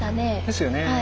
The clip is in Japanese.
ですよね。